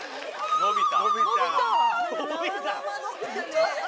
伸びた。